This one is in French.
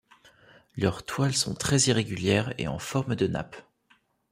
Leurs toiles sont très irrégulières et en forme de nappe.